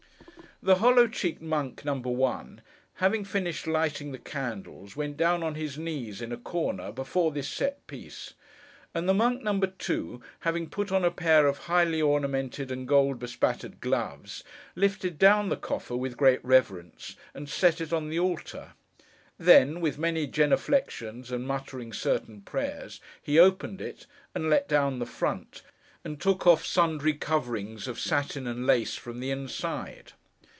The hollow cheeked monk, number One, having finished lighting the candles, went down on his knees, in a corner, before this set piece; and the monk number Two, having put on a pair of highly ornamented and gold bespattered gloves, lifted down the coffer, with great reverence, and set it on the altar. Then, with many genuflexions, and muttering certain prayers, he opened it, and let down the front, and took off sundry coverings of satin and lace from the inside.